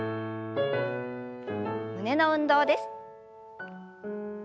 胸の運動です。